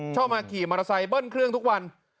ชอบมาขี่มอเตอร์ไซค์เบิ้ลเครื่องทุกวัน